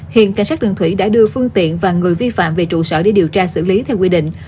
hiện cảnh sát đường thủy đã đưa phương tiện và người vi phạm về trụ sở để điều tra xử lý theo quy định